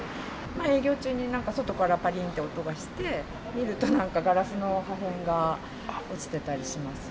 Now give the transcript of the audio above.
営業中になんか外からぱりんと音がして、見ると、なんかガラスの破片が落ちてたりします。